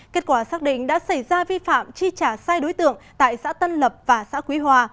kết quả xác định đã xảy ra vi phạm chi trả sai đối tượng tại xã tân lập và xã quý hòa